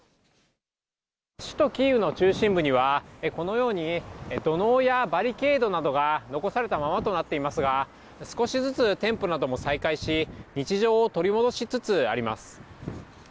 首都キーウの中心部にはこのように、土のうやバリケードなどが残されたままとなっていますが、少しずつ店舗なども再開し、日常を取り戻しつつあります。